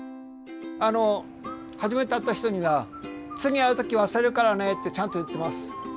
あの初めて会った人には「次会う時忘れるからね」ってちゃんと言ってます。